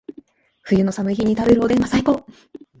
冬の寒い日に食べるおでんは最高